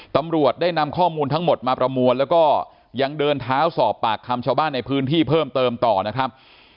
ตำรวจได้นำข้อมูลทั้งหมดมาประมวลแล้วก็ยังเดินเท้าสอบปากคำชาวบ้านในพื้นที่เพิ่มเติมต่อนะครับ